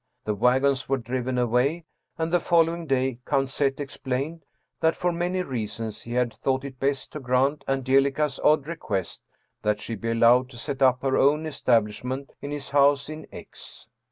The wagons were driven away, and the following day Count Z. explained that, for many reasons, he had thought it best to grant Angelica's odd request that she be allowed to set up her own establishment in his house in X.